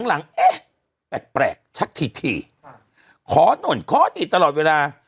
หลังเอ๊ะแปลกชักถี่ขอหน่นขอทีตลอดเวลา